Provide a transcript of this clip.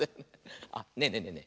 あっねえねえねえねえ